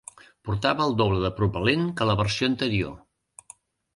Portava el doble de propel·lent que la versió anterior.